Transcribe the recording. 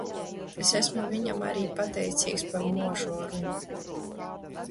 Es esmu viņam arī pateicīgs par možo runu.